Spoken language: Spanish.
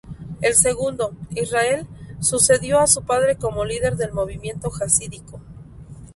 El segundo, Israel, sucedió a su padre como líder del movimiento jasídico.